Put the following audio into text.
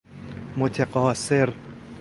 متقاصر